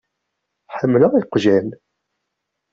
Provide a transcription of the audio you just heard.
Ḥemmleɣ iqjan.